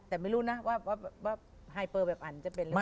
แต่ไม่รู้นะว่าไฮเปอร์แบบอันจะเป็นหรือเปล่า